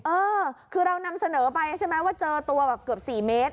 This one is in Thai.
เออคือเรานำเสนอไปใช่ไหมว่าเจอตัวแบบเกือบ๔เมตร